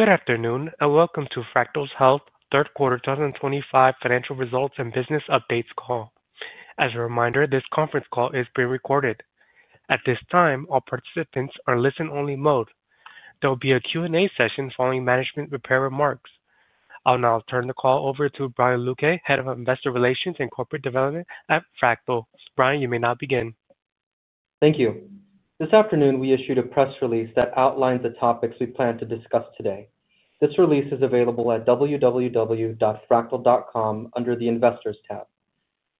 Good afternoon and welcome to Fractyl Health's third quarter 2025 financial results and business updates call. As a reminder, this conference call is being recorded. At this time, all participants are in listen-only mode. There will be a Q&A session following management prepared remarks. I'll now turn the call over to Brian Luque, Head of Investor Relations and Corporate Development at Fractyl. Brian, you may now begin. Thank you. This afternoon, we issued a press release that outlined the topics we plan to discuss today. This release is available at www.fractyl.com under the Investors tab.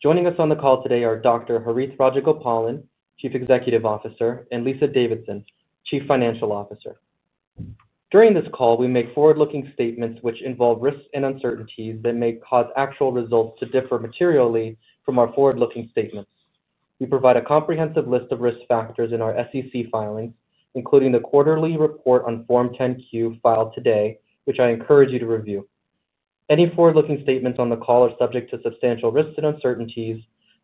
Joining us on the call today are Dr. Harith Rajagopalan, Chief Executive Officer, and Lisa Davidson, Chief Financial Officer. During this call, we make forward-looking statements which involve risks and uncertainties that may cause actual results to differ materially from our forward-looking statements. We provide a comprehensive list of risk factors in our SEC filings, including the quarterly report on Form 10Q filed today, which I encourage you to review. Any forward-looking statements on the call are subject to substantial risks and uncertainties,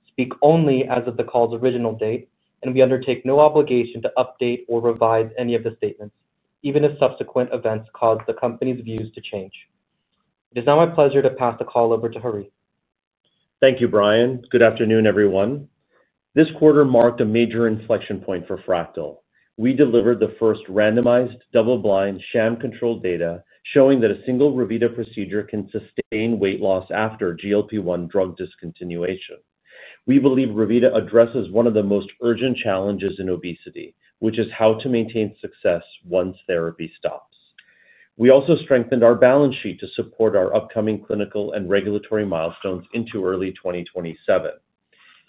speak only as of the call's original date, and we undertake no obligation to update or revise any of the statements, even if subsequent events cause the company's views to change. It is now my pleasure to pass the call over to Harith. Thank you, Brian. Good afternoon, everyone. This quarter marked a major inflection point for Fractyl. We delivered the first randomized, double-blind, sham-controlled data showing that a single Revita procedure can sustain weight loss after GLP-1 drug discontinuation. We believe Revita addresses one of the most urgent challenges in obesity, which is how to maintain success once therapy stops. We also strengthened our balance sheet to support our upcoming clinical and regulatory milestones into early 2027.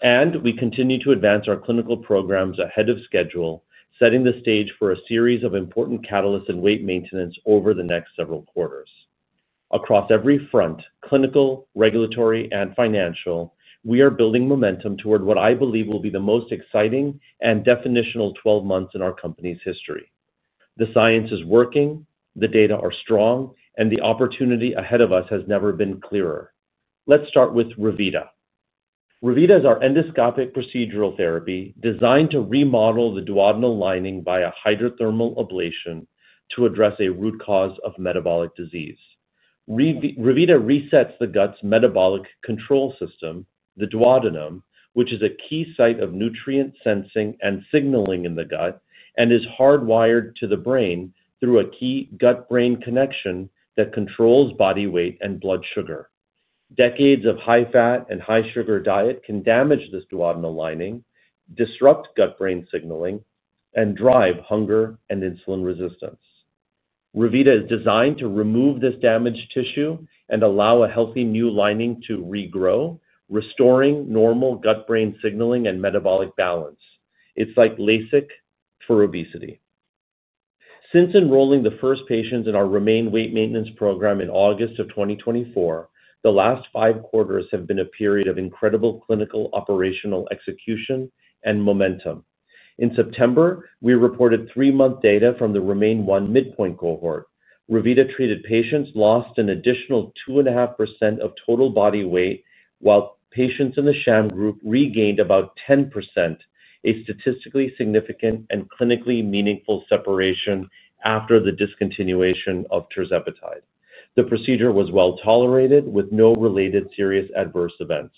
We continue to advance our clinical programs ahead of schedule, setting the stage for a series of important catalysts and weight maintenance over the next several quarters. Across every front—clinical, regulatory, and financial—we are building momentum toward what I believe will be the most exciting and definitional 12 months in our company's history. The science is working, the data are strong, and the opportunity ahead of us has never been clearer. Let's start with Revita. Revita is our endoscopic procedural therapy designed to remodel the duodenal lining via hydrothermal ablation to address a root cause of metabolic disease. Revita resets the gut's metabolic control system, the duodenum, which is a key site of nutrient sensing and signaling in the gut and is hardwired to the brain through a key gut-brain connection that controls body weight and blood sugar. Decades of high-fat and high-sugar diet can damage this duodenal lining, disrupt gut-brain signaling, and drive hunger and insulin resistance. Revita is designed to remove this damaged tissue and allow a healthy new lining to regrow, restoring normal gut-brain signaling and metabolic balance. It's like LASIK for obesity. Since enrolling the first patients in our Remain Weight Maintenance program in August of 2024, the last five quarters have been a period of incredible clinical operational execution and momentum. In September, we reported three-month data from the Remain One Midpoint cohort. Revita treated patients lost an additional 2.5% of total body weight, while patients in the sham group regained about 10%, a statistically significant and clinically meaningful separation after the discontinuation of tirzepatide. The procedure was well tolerated with no related serious adverse events.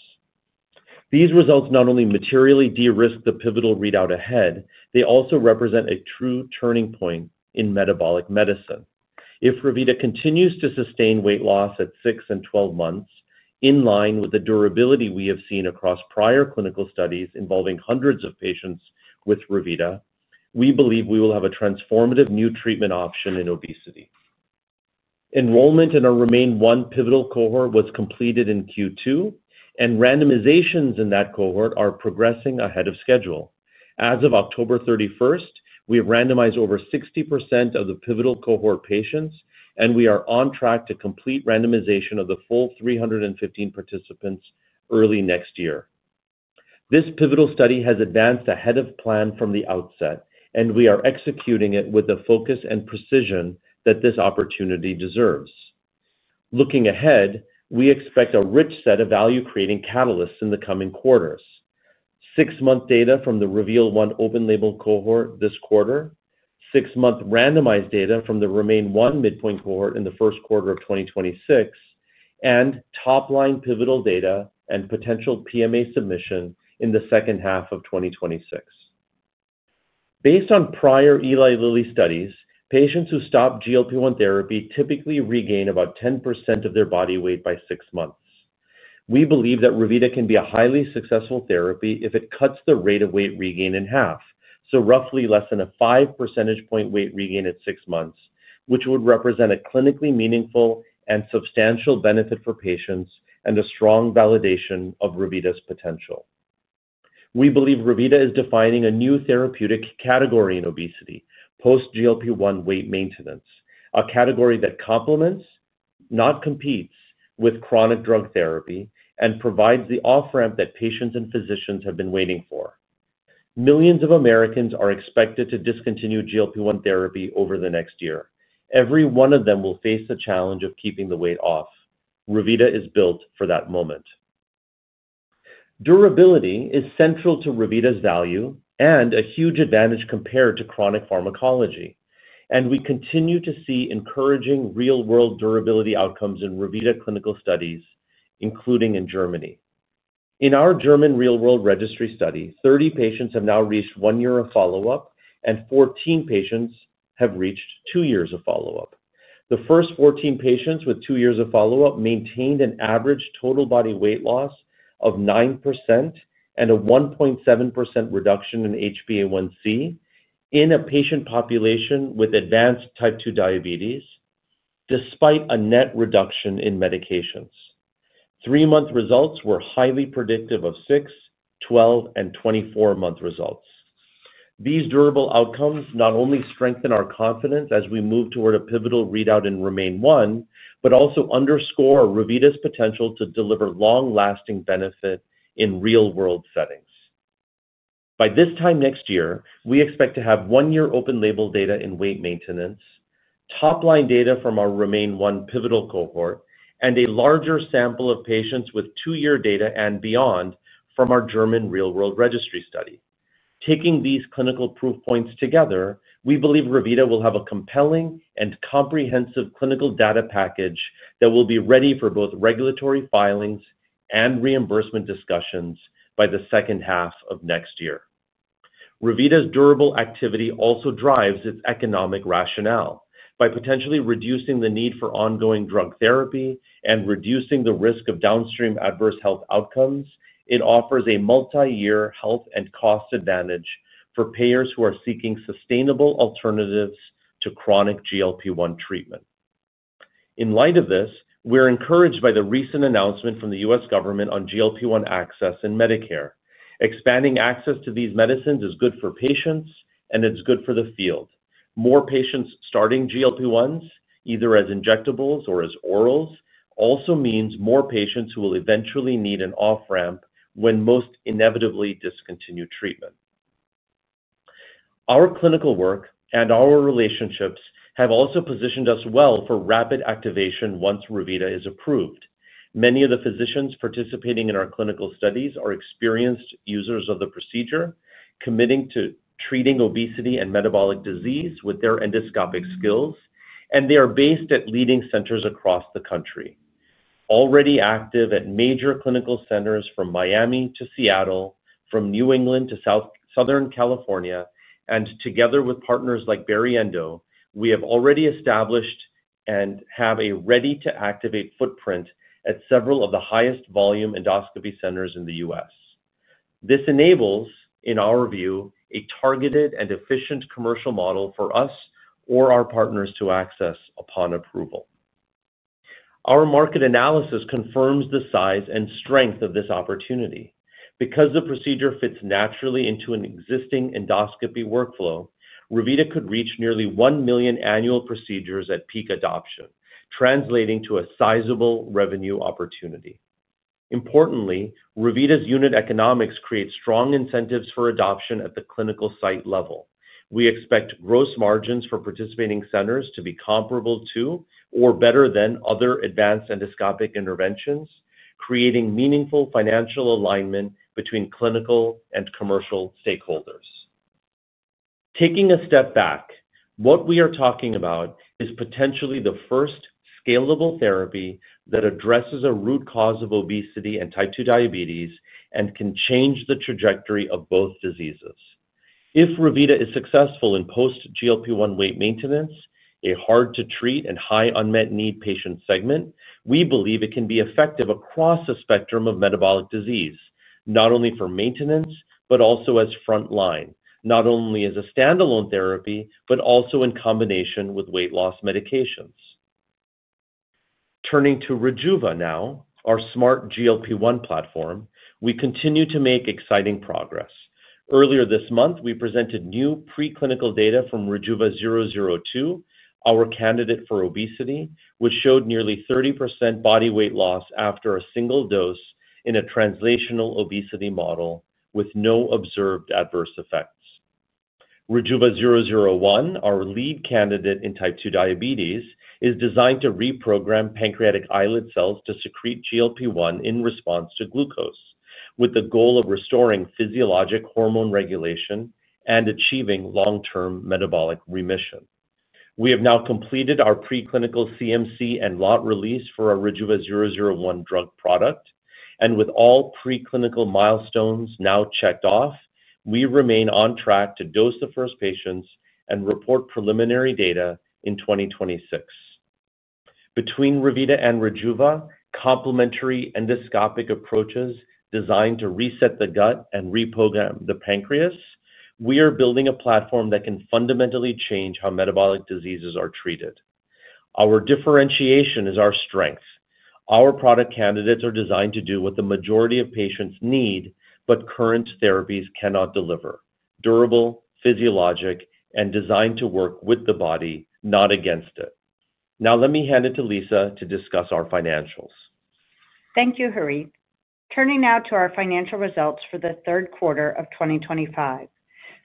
These results not only materially de-risk the pivotal readout ahead, they also represent a true turning point in metabolic medicine. If Revita continues to sustain weight loss at 6 and 12 months, in line with the durability we have seen across prior clinical studies involving hundreds of patients with Revita, we believe we will have a transformative new treatment option in obesity. Enrollment in our Remain One pivotal cohort was completed in Q2, and randomizations in that cohort are progressing ahead of schedule. As of October 31st, we have randomized over 60% of the pivotal cohort patients, and we are on track to complete randomization of the full 315 participants early next year. This pivotal study has advanced ahead of plan from the outset, and we are executing it with the focus and precision that this opportunity deserves. Looking ahead, we expect a rich set of value-creating catalysts in the coming quarters: six-month data from the Reveal One open-label cohort this quarter, six-month randomized data from the Remain One Midpoint cohort in the first quarter of 2026, and top-line pivotal data and potential PMA submission in the second half of 2026. Based on prior Eli Lilly studies, patients who stop GLP-1 therapy typically regain about 10% of their body weight by six months. We believe that Revita can be a highly successful therapy if it cuts the rate of weight regain in half, so roughly less than a 5 percentage point weight regain at six months, which would represent a clinically meaningful and substantial benefit for patients and a strong validation of Revita's potential. We believe Revita is defining a new therapeutic category in obesity: post-GLP-1 weight maintenance, a category that complements, not competes, with chronic drug therapy and provides the off-ramp that patients and physicians have been waiting for. Millions of Americans are expected to discontinue GLP-1 therapy over the next year. Every one of them will face the challenge of keeping the weight off. Revita is built for that moment. Durability is central to Revita's value and a huge advantage compared to chronic pharmacology, and we continue to see encouraging real-world durability outcomes in Revita clinical studies, including in Germany. In our German real-world registry study, 30 patients have now reached one year of follow-up, and 14 patients have reached two years of follow-up. The first 14 patients with two years of follow-up maintained an average total body weight loss of 9% and a 1.7% reduction in HbA1c in a patient population with advanced type 2 diabetes, despite a net reduction in medications. Three-month results were highly predictive of 6, 12, and 24-month results. These durable outcomes not only strengthen our confidence as we move toward a pivotal readout in Remain One, but also underscore Revita's potential to deliver long-lasting benefit in real-world settings. By this time next year, we expect to have one-year open-label data in weight maintenance, top-line data from our Remain One pivotal cohort, and a larger sample of patients with two-year data and beyond from our German real-world registry study. Taking these clinical proof points together, we believe Revita will have a compelling and comprehensive clinical data package that will be ready for both regulatory filings and reimbursement discussions by the second half of next year. Revita's durable activity also drives its economic rationale. By potentially reducing the need for ongoing drug therapy and reducing the risk of downstream adverse health outcomes, it offers a multi-year health and cost advantage for payers who are seeking sustainable alternatives to chronic GLP-1 treatment. In light of this, we're encouraged by the recent announcement from the U.S. government on GLP-1 access in Medicare. Expanding access to these medicines is good for patients, and it's good for the field. More patients starting GLP-1s, either as injectables or as orals, also means more patients who will eventually need an off-ramp when most inevitably discontinue treatment. Our clinical work and our relationships have also positioned us well for rapid activation once Revita is approved. Many of the physicians participating in our clinical studies are experienced users of the procedure, committing to treating obesity and metabolic disease with their endoscopic skills, and they are based at leading centers across the country. Already active at major clinical centers from Miami to Seattle, from New England to Southern California, and together with partners like Barriendo, we have already established and have a ready-to-activate footprint at several of the highest volume endoscopy centers in the U.S. This enables, in our view, a targeted and efficient commercial model for us or our partners to access upon approval. Our market analysis confirms the size and strength of this opportunity. Because the procedure fits naturally into an existing endoscopy workflow, Revita could reach nearly 1 million annual procedures at peak adoption, translating to a sizable revenue opportunity. Importantly, Revita's unit economics create strong incentives for adoption at the clinical site level. We expect gross margins for participating centers to be comparable to or better than other advanced endoscopic interventions, creating meaningful financial alignment between clinical and commercial stakeholders. Taking a step back, what we are talking about is potentially the first scalable therapy that addresses a root cause of obesity and Type 2 diabetes and can change the trajectory of both diseases. If Revita is successful in post-GLP-1 weight maintenance, a hard-to-treat and high unmet need patient segment, we believe it can be effective across the spectrum of metabolic disease, not only for maintenance, but also as front line, not only as a standalone therapy, but also in combination with weight loss medications. Turning to Rejuva now, our smart GLP-1 platform, we continue to make exciting progress. Earlier this month, we presented new preclinical data from RJVA-002, our candidate for obesity, which showed nearly 30% body weight loss after a single dose in a translational obesity model with no observed adverse effects. RJVA-001, our lead candidate in Type 2 diabetes, is designed to reprogram pancreatic islet cells to secrete GLP-1 in response to glucose, with the goal of restoring physiologic hormone regulation and achieving long-term metabolic remission. We have now completed our preclinical CMC and lot release for our RJVA-001 drug product, and with all preclinical milestones now checked off, we remain on track to dose the first patients and report preliminary data in 2026. Between Revita and Rejuva, complementary endoscopic approaches designed to reset the gut and reprogram the pancreas, we are building a platform that can fundamentally change how metabolic diseases are treated. Our differentiation is our strength. Our product candidates are designed to do what the majority of patients need, but current therapies cannot deliver: durable, physiologic, and designed to work with the body, not against it. Now, let me hand it to Lisa to discuss our financials. Thank you, Harith. Turning now to our financial results for the third quarter of 2025.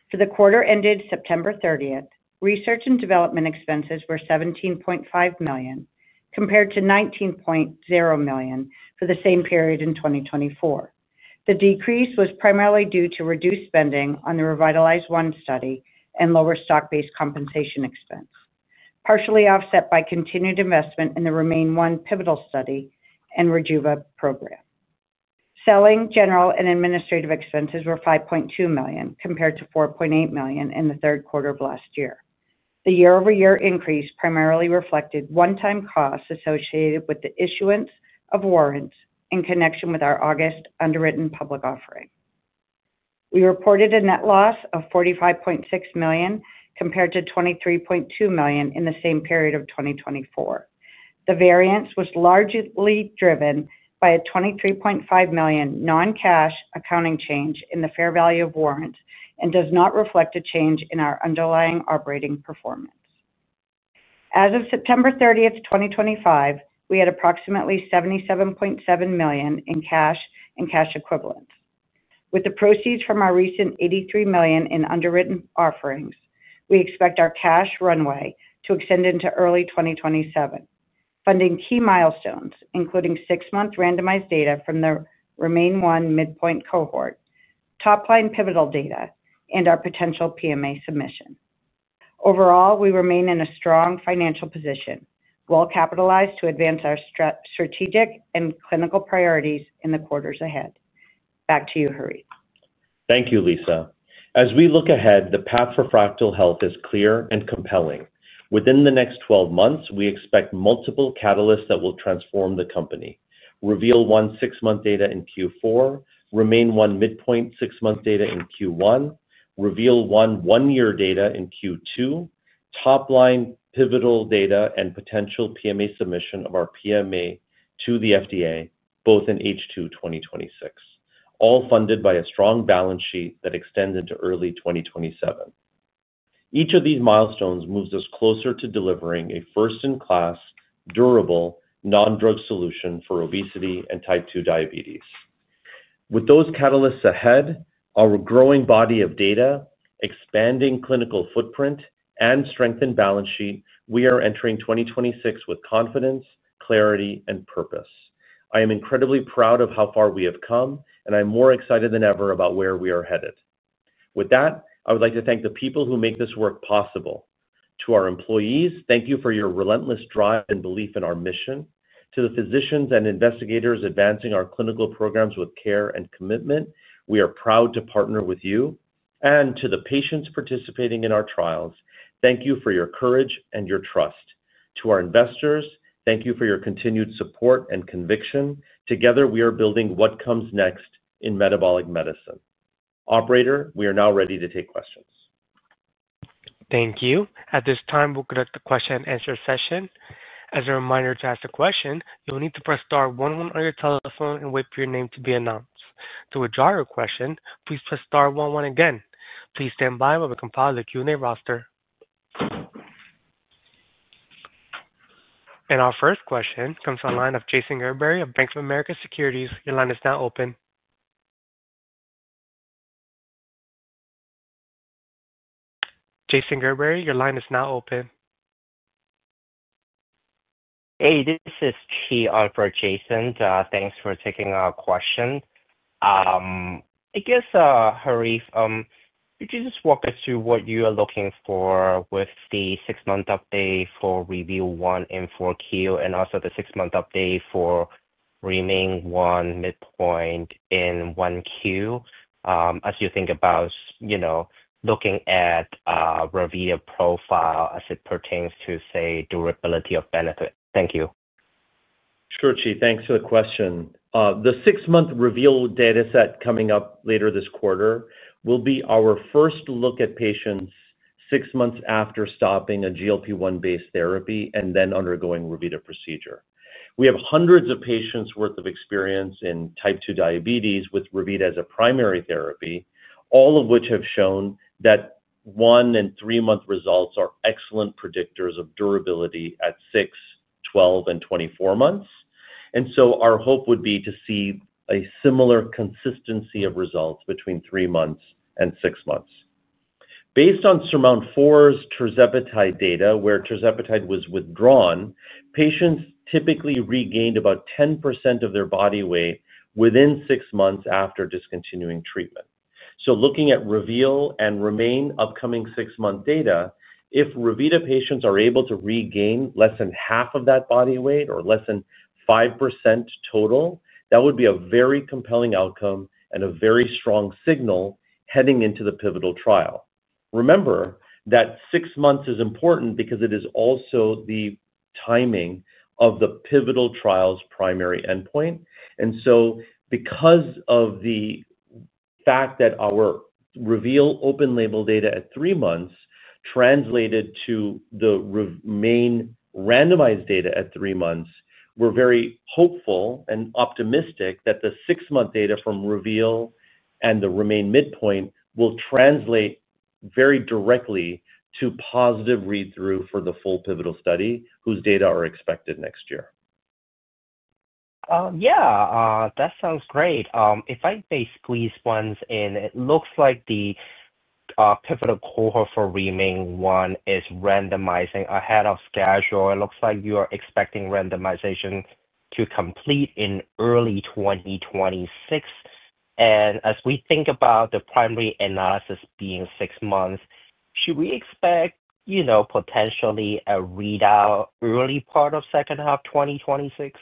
For the quarter ended September 30th, research and development expenses were $17.5 million, compared to $19.0 million for the same period in 2024. The decrease was primarily due to reduced spending on the Revitalize One study and lower stock-based compensation expense, partially offset by continued investment in the Remain One pivotal study and Rejuva program. Selling, general, and administrative expenses were $5.2 million, compared to $4.8 million in the third quarter of last year. The year-over-year increase primarily reflected one-time costs associated with the issuance of warrants in connection with our August underwritten public offering. We reported a net loss of $45.6 million, compared to $23.2 million in the same period of 2024. The variance was largely driven by a $23.5 million non-cash accounting change in the fair value of warrants and does not reflect a change in our underlying operating performance. As of September 30th, 2025, we had approximately $77.7 million in cash and cash equivalents. With the proceeds from our recent $83 million in underwritten offerings, we expect our cash runway to extend into early 2027, funding key milestones, including six-month randomized data from the Remain One Midpoint cohort, top-line pivotal data, and our potential PMA submission. Overall, we remain in a strong financial position, well capitalized to advance our strategic and clinical priorities in the quarters ahead. Back to you, Harith. Thank you, Lisa. As we look ahead, the path for Fractyl Health is clear and compelling. Within the next 12 months, we expect multiple catalysts that will transform the company: Reveal One six-month data in Q4, Remain One Midpoint six-month data in Q1, Reveal One one-year data in Q2, top-line pivotal data, and potential PMA submission of our PMA to the FDA, both in H2 2026, all funded by a strong balance sheet that extends into early 2027. Each of these milestones moves us closer to delivering a first-in-class, durable, non-drug solution for obesity and type 2 diabetes. With those catalysts ahead, our growing body of data, expanding clinical footprint, and strengthened balance sheet, we are entering 2026 with confidence, clarity, and purpose. I am incredibly proud of how far we have come, and I'm more excited than ever about where we are headed. With that, I would like to thank the people who make this work possible. To our employees, thank you for your relentless drive and belief in our mission. To the physicians and investigators advancing our clinical programs with care and commitment, we are proud to partner with you. To the patients participating in our trials, thank you for your courage and your trust. To our investors, thank you for your continued support and conviction. Together, we are building what comes next in metabolic medicine. Operator, we are now ready to take questions. Thank you. At this time, we'll conduct a question-and-answer session. As a reminder to ask a question, you'll need to press star 11 on your telephone and wait for your name to be announced. To withdraw your question, please press star 11 again. Please stand by while we compile the Q&A roster. Our first question comes from the line of Jason Gerberry of Bank of America Securities. Your line is now open. Jason Gerberry, your line is now open. Hey, this is Chi for Jason. Thanks for taking our question. I guess, Harith, could you just walk us through what you are looking for with the six-month update for Reveal One in 4Q and also the six-month update for Remain One Midpoint in 1Q as you think about looking at Revita profile as it pertains to, say, durability of benefit? Thank you. Sure, Chi. Thanks for the question. The six-month Reveal dataset coming up later this quarter will be our first look at patients six months after stopping a GLP-1-based therapy and then undergoing Revita procedure. We have hundreds of patients' worth of experience in Type 2 diabetes with Revita as a primary therapy, all of which have shown that one- and three-month results are excellent predictors of durability at 6, 12, and 24 months. Our hope would be to see a similar consistency of results between three months and six months. Based on SURMOUNT-4's tirzepatide data, where tirzepatide was withdrawn, patients typically regained about 10% of their body weight within six months after discontinuing treatment. Looking at Reveal and Remain upcoming six-month data, if Revita patients are able to regain less than half of that body weight or less than 5% total, that would be a very compelling outcome and a very strong signal heading into the pivotal trial. Remember that six months is important because it is also the timing of the pivotal trial's primary endpoint. Because of the fact that our Reveal open-label data at three months translated to the Remain randomized data at three months, we're very hopeful and optimistic that the six-month data from Reveal and the Remain Midpoint will translate very directly to positive read-through for the full pivotal study whose data are expected next year. Yeah, that sounds great. If I face please once in, it looks like the pivotal cohort for Remain One is randomizing ahead of schedule. It looks like you are expecting randomization to complete in early 2026. And as we think about the primary analysis being six months, should we expect potentially a readout early part of second half 2026?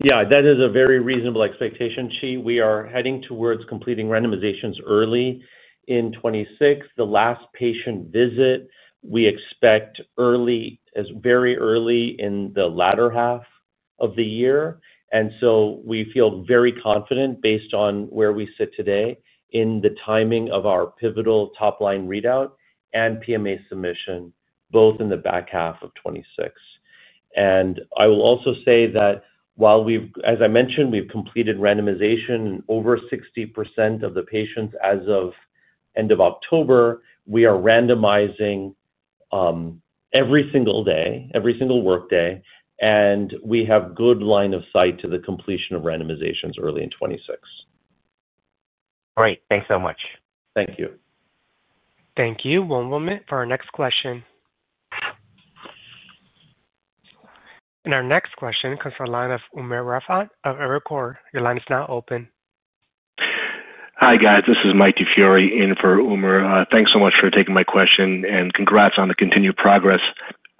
Yeah, that is a very reasonable expectation, Chi. We are heading towards completing randomizations early in 2026. The last patient visit we expect very early in the latter half of the year. We feel very confident based on where we sit today in the timing of our pivotal top-line readout and PMA submission, both in the back half of 2026. I will also say that while we've, as I mentioned, we've completed randomization in over 60% of the patients as of end of October, we are randomizing every single day, every single workday, and we have good line of sight to the completion of randomizations early in 2026. Great. Thanks so much. Thank you. Thank you. One moment for our next question. Our next question comes from the line of Umer Raffat of Evercore. Your line is now open. Hi, guys. This is Mike DeFiore in for Umer. Thanks so much for taking my question and congrats on the continued progress.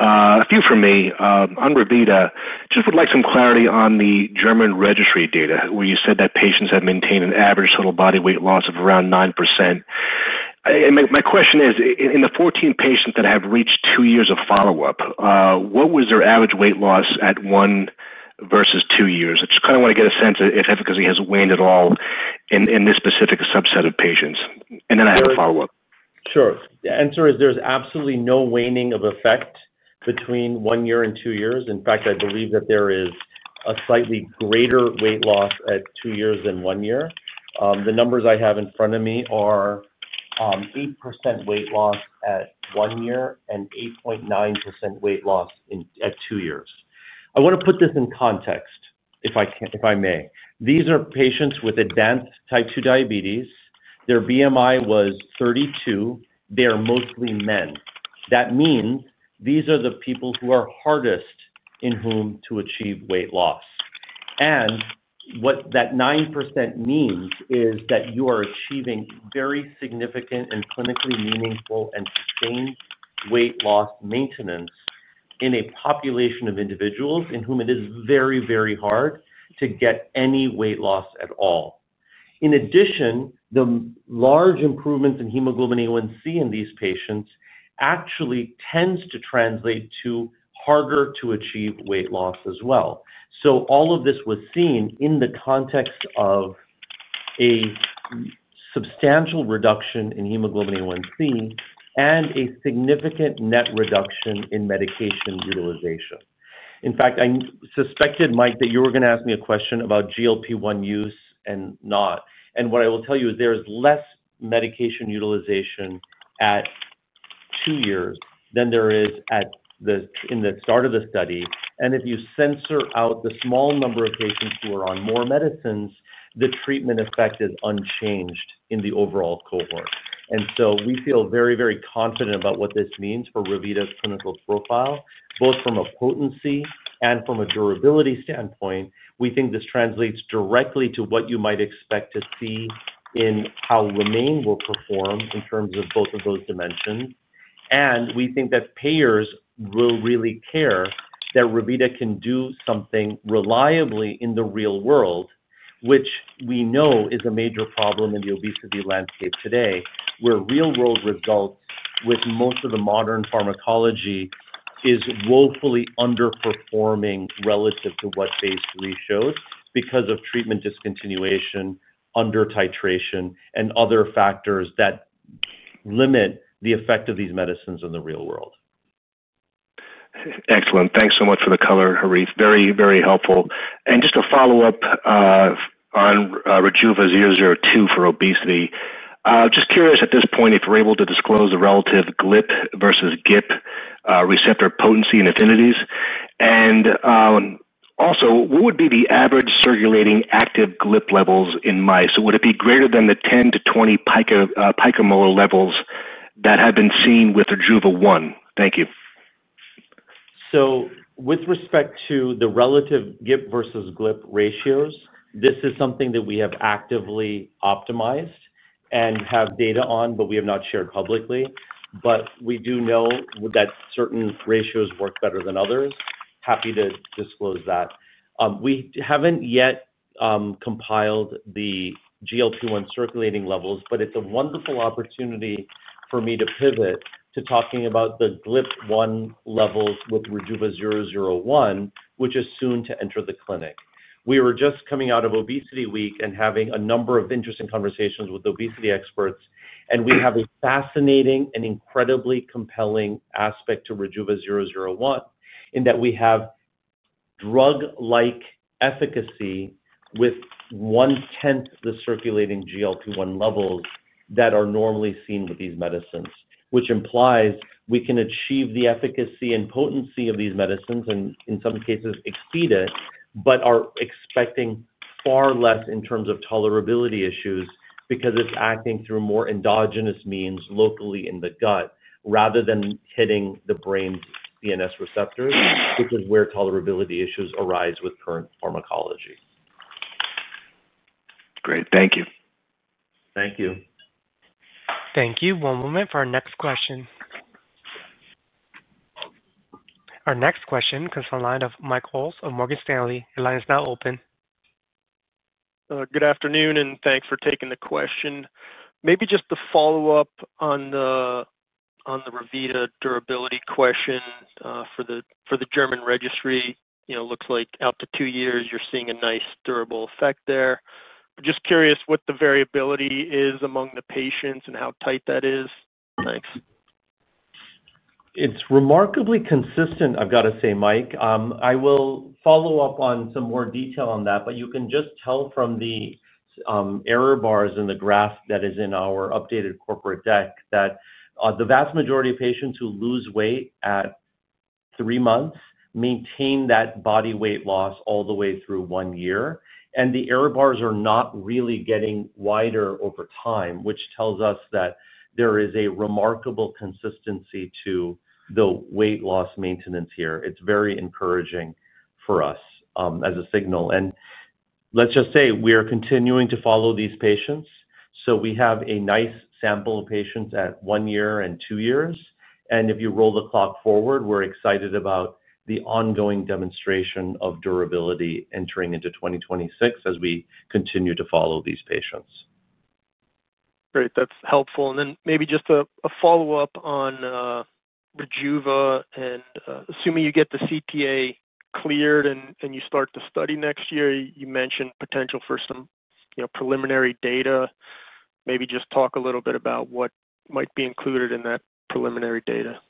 A few from me. On Revita, just would like some clarity on the German registry data where you said that patients have maintained an average total body weight loss of around 9%. My question is, in the 14 patients that have reached two years of follow-up, what was their average weight loss at one versus two years? I just kind of want to get a sense if efficacy has waned at all in this specific subset of patients. I have a follow-up. Sure. The answer is there's absolutely no waning of effect between one year and two years. In fact, I believe that there is a slightly greater weight loss at two years than one year. The numbers I have in front of me are 8% weight loss at one year and 8.9% weight loss at two years. I want to put this in context, if I may. These are patients with advanced Type 2 diabetes. Their BMI was 32. They are mostly men. That means these are the people who are hardest in whom to achieve weight loss. What that 9% means is that you are achieving very significant and clinically meaningful and sustained weight loss maintenance in a population of individuals in whom it is very, very hard to get any weight loss at all. In addition, the large improvements in hemoglobin A1c in these patients actually tends to translate to harder to achieve weight loss as well. All of this was seen in the context of a substantial reduction in hemoglobin A1c and a significant net reduction in medication utilization. In fact, I suspected, Mike, that you were going to ask me a question about GLP-1 use and not. What I will tell you is there is less medication utilization at two years than there is in the start of the study. If you censor out the small number of patients who are on more medicines, the treatment effect is unchanged in the overall cohort. We feel very, very confident about what this means for Revita's clinical profile, both from a potency and from a durability standpoint. We think this translates directly to what you might expect to see in how Remain will perform in terms of both of those dimensions. We think that payers will really care that Revita can do something reliably in the real world, which we know is a major problem in the obesity landscape today, where real-world results with most of the modern pharmacology are woefully underperforming relative to what phase three showed because of treatment discontinuation, under-titration, and other factors that limit the effect of these medicines in the real world. Excellent. Thanks so much for the color, Harith. Very, very helpful. Just a follow-up on RJVA-002 for obesity. Just curious at this point if you're able to disclose the relative GLP versus GIP receptor potency and affinities. Also, what would be the average circulating active GLP levels in mice? Would it be greater than the 10-20 picomolar levels that have been seen with RJVA-001? Thank you. With respect to the relative GIP versus GLP ratios, this is something that we have actively optimized and have data on, but we have not shared publicly. We do know that certain ratios work better than others. Happy to disclose that. We have not yet compiled the GLP-1 circulating levels, but it is a wonderful opportunity for me to pivot to talking about the GLP-1 levels with RJVA-001, which is soon to enter the clinic. We were just coming out of Obesity Week and having a number of interesting conversations with obesity experts. We have a fascinating and incredibly compelling aspect to RJVA-001 in that we have drug-like efficacy with one-tenth the circulating GLP-1 levels that are normally seen with these medicines, which implies we can achieve the efficacy and potency of these medicines and in some cases exceed it, but are expecting far less in terms of tolerability issues because it's acting through more endogenous means locally in the gut rather than hitting the brain's DNS receptors, which is where tolerability issues arise with current pharmacology. Great. Thank you. Thank you. Thank you. One moment for our next question. Our next question comes from the line of Mike Ulz of Morgan Stanley. Your line is now open. Good afternoon, and thanks for taking the question. Maybe just the follow-up on the Revita durability question for the German registry. Looks like out to two years, you're seeing a nice durable effect there. Just curious what the variability is among the patients and how tight that is. Thanks. It's remarkably consistent, I've got to say, Mike. I will follow up on some more detail on that, but you can just tell from the error bars in the graph that is in our updated corporate deck that the vast majority of patients who lose weight at three months maintain that body weight loss all the way through one year. The error bars are not really getting wider over time, which tells us that there is a remarkable consistency to the weight loss maintenance here. It's very encouraging for us as a signal. Let's just say we are continuing to follow these patients. We have a nice sample of patients at one year and two years. If you roll the clock forward, we're excited about the ongoing demonstration of durability entering into 2026 as we continue to follow these patients. Great. That's helpful. Maybe just a follow-up on Rejuva. Assuming you get the CTA cleared and you start the study next year, you mentioned potential for some preliminary data. Maybe just talk a little bit about what might be included in that preliminary data.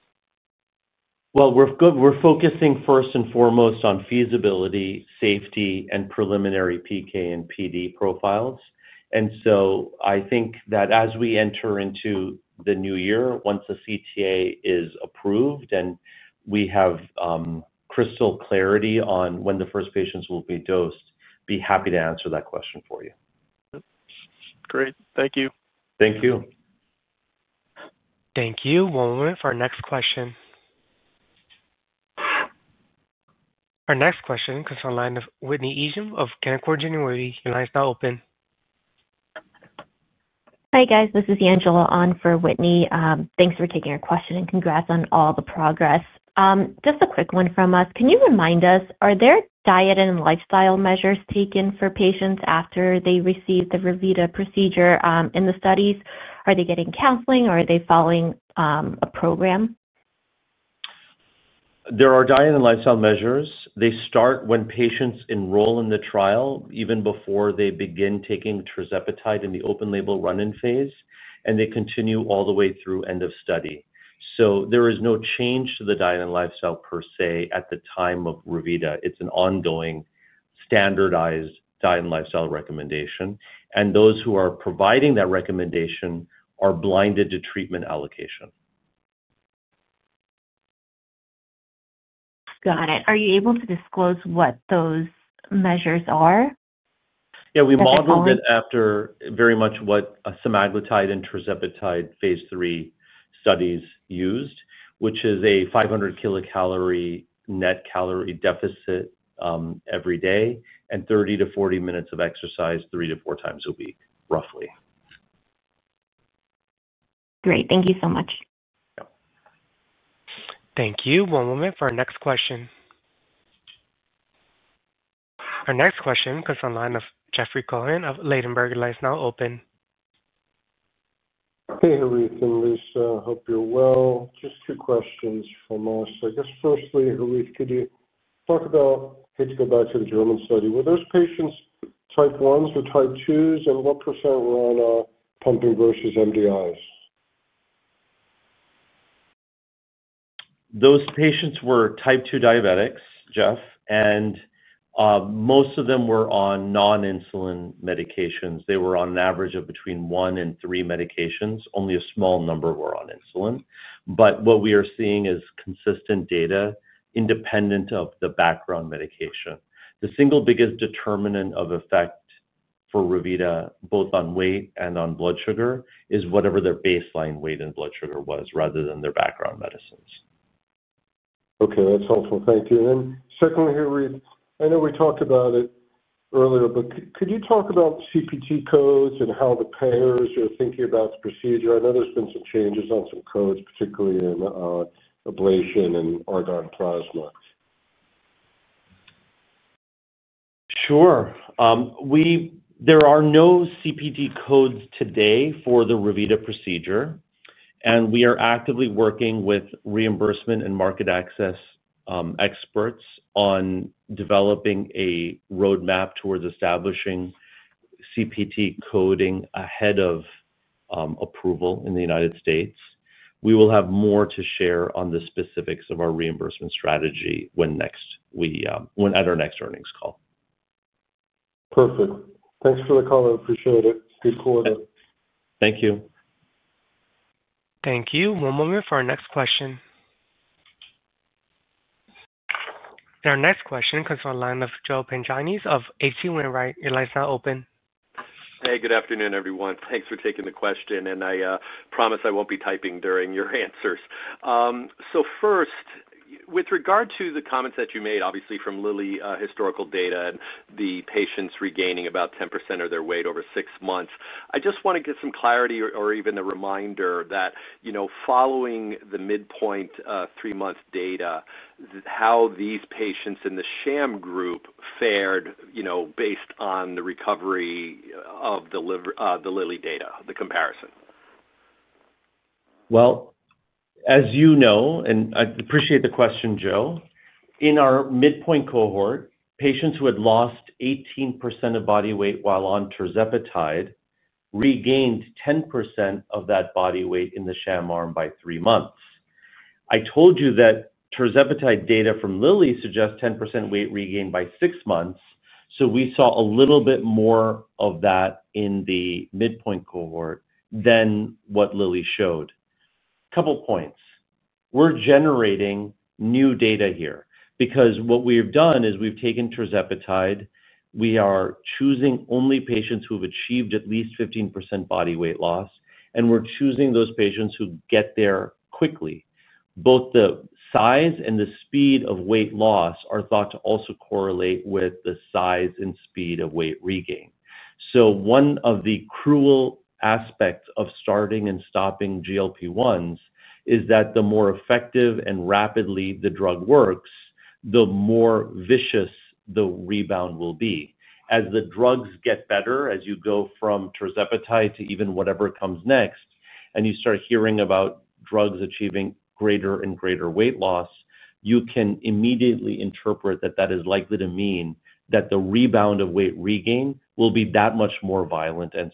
We're focusing first and foremost on feasibility, safety, and preliminary PK and PD profiles. I think that as we enter into the new year, once the CTA is approved and we have crystal clarity on when the first patients will be dosed, I'd be happy to answer that question for you. Great. Thank you. Thank you. Thank you. One moment for our next question. Our next question comes from the line of Whitney Ijem of Canaccord Genuity. Your line is now open. Hi, guys. This is Angela on for Whitney. Thanks for taking our question and congrats on all the progress. Just a quick one from us. Can you remind us, are there diet and lifestyle measures taken for patients after they receive the Revita procedure in the studies? Are they getting counseling, or are they following a program? There are diet and lifestyle measures. They start when patients enroll in the trial, even before they begin taking tirzepatide in the open-label run-in phase, and they continue all the way through end of study. There is no change to the diet and lifestyle per se at the time of Revita. It's an ongoing standardized diet and lifestyle recommendation. Those who are providing that recommendation are blinded to treatment allocation. Got it. Are you able to disclose what those measures are? Yeah, we modeled it after very much what semaglutide and tirzepatide phase three studies used, which is a 500 kilocalorie net calorie deficit every day and 30-40 minutes of exercise three to four times a week, roughly. Great. Thank you so much. Thank you. One moment for our next question. Our next question comes from the line of Jeffrey Cohen of Ladenburg. Your line is now open. Hey, Harith and Lisa. I hope you're well. Just two questions from us. I guess firstly, Harith, could you talk about—hate to go back to the German study—were those patients type 1s or type 2s, and what percentage were on pumping versus MDIs? Those patients were Type 2 diabetics, Jeff, and most of them were on non-insulin medications. They were on an average of between one and three medications. Only a small number were on insulin. What we are seeing is consistent data independent of the background medication. The single biggest determinant of effect for Revita, both on weight and on blood sugar, is whatever their baseline weight and blood sugar was rather than their background medicines. Okay. That's helpful. Thank you. Secondly, Harith, I know we talked about it earlier, but could you talk about CPT codes and how the payers are thinking about the procedure? I know there's been some changes on some codes, particularly in ablation and argon plasma. Sure. There are no CPT codes today for the Revita procedure, and we are actively working with reimbursement and market access experts on developing a roadmap towards establishing CPT coding ahead of approval in the U.S. We will have more to share on the specifics of our reimbursement strategy at our next earnings call. Perfect. Thanks for the call. I appreciate it. Good quarter. Thank you. Thank you. One moment for our next question. Our next question comes from the line of Joe Pantginis of H.C. Wainwright. Your line is now open. Hey, good afternoon, everyone. Thanks for taking the question, and I promise I will not be typing during your answers. First, with regard to the comments that you made, obviously from Lilly, historical data and the patients regaining about 10% of their weight over six months, I just want to get some clarity or even a reminder that following the midpoint three-month data, how these patients in the sham group fared based on the recovery of the Lilly data, the comparison. As you know, and I appreciate the question, Joe, in our midpoint cohort, patients who had lost 18% of body weight while on tirzepatide regained 10% of that body weight in the sham arm by three months. I told you that tirzepatide data from Lilly suggests 10% weight regain by six months, so we saw a little bit more of that in the midpoint cohort than what Lilly showed. Couple of points. We're generating new data here because what we have done is we've taken tirzepatide. We are choosing only patients who have achieved at least 15% body weight loss, and we're choosing those patients who get there quickly. Both the size and the speed of weight loss are thought to also correlate with the size and speed of weight regain. One of the cruel aspects of starting and stopping GLP-1s is that the more effective and rapidly the drug works, the more vicious the rebound will be. As the drugs get better, as you go from tirzepatide to even whatever comes next, and you start hearing about drugs achieving greater and greater weight loss, you can immediately interpret that that is likely to mean that the rebound of weight regain will be that much more violent and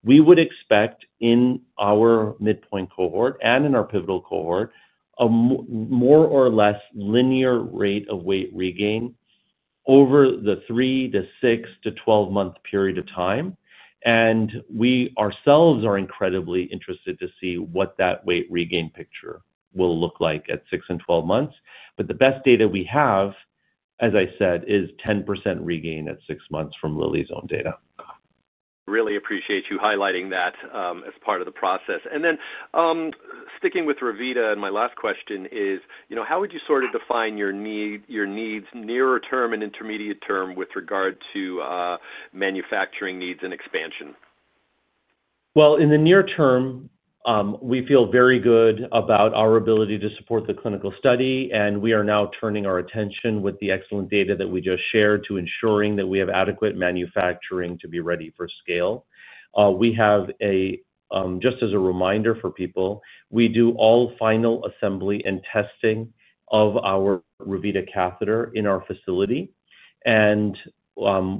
severe. We would expect in our midpoint cohort and in our pivotal cohort a more or less linear rate of weight regain over the 3-6-12 month period of time. We ourselves are incredibly interested to see what that weight regain picture will look like at 6 and 12 months. The best data we have, as I said, is 10% regain at six months from Lilly's own data. Really appreciate you highlighting that as part of the process. Sticking with Revita, my last question is, how would you sort of define your needs nearer term and intermediate term with regard to manufacturing needs and expansion? In the near term, we feel very good about our ability to support the clinical study, and we are now turning our attention with the excellent data that we just shared to ensuring that we have adequate manufacturing to be ready for scale. Just as a reminder for people, we do all final assembly and testing of our Revita catheter in our facility, and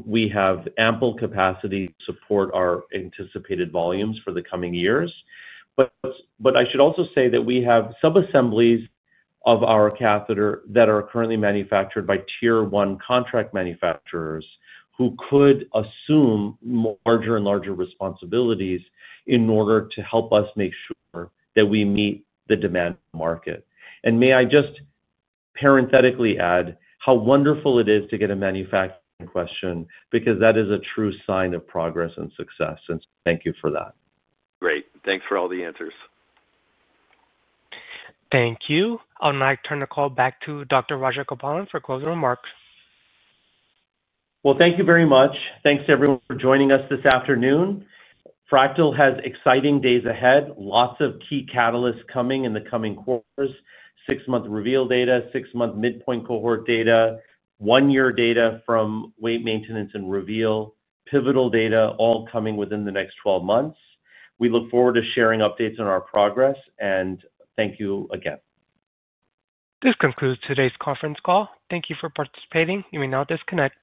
we have ample capacity to support our anticipated volumes for the coming years. I should also say that we have sub-assemblies of our catheter that are currently manufactured by tier-one contract manufacturers who could assume larger and larger responsibilities in order to help us make sure that we meet the demand market. May I just parenthetically add how wonderful it is to get a manufacturing question because that is a true sign of progress and success, and thank you for that. Great. Thanks for all the answers. Thank you. I'll now turn the call back to Dr. Roger Cotton for closing remarks. Thank you very much. Thanks to everyone for joining us this afternoon. Fractyl has exciting days ahead. Lots of key catalysts coming in the coming quarters: six-month reveal data, six-month midpoint cohort data, one-year data from weight maintenance and reveal, pivotal data all coming within the next 12 months. We look forward to sharing updates on our progress, and thank you again. This concludes today's conference call. Thank you for participating. You may now disconnect.